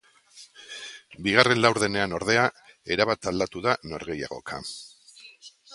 Bigarren laurdenean, ordea, erabat aldatu da norgehiagoka.